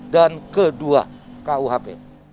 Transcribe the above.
dan ke dua kuhp